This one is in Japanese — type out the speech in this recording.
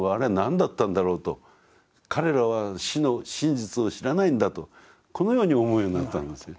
彼らは死の真実を知らないんだとこのように思うようになったんですよ。